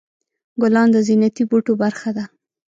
ګلان د زینتي بوټو برخه ده.